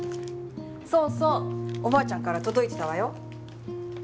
そうそうおばあちゃんから届いてたわよ。